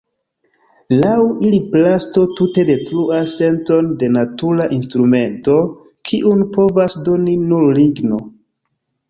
Laŭ ili plasto tute detruas senton de natura instrumento, kiun povas doni nur ligno.